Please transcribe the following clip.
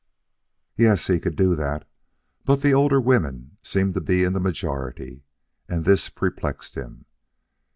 Yes, he could do that, but the older women seemed to be in the majority; and this perplexed him.